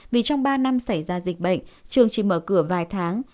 vì trong ba năm xảy ra dịch bệnh trường chỉ mở cửa vài tháng